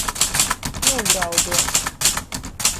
Nūgrauduot.